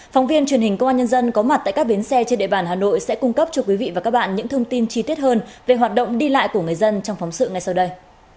phóng viên truyền hình công an nhân dân có mặt tại các bến xe trên địa bàn hà nội sẽ cung cấp cho quý vị và các bạn những thông tin chi tiết hơn về hoạt động đi lại của người dân trong phóng sự ngay sau đây